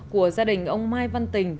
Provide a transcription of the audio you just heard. của gia đình ông mai văn tình